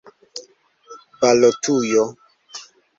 Balotujo.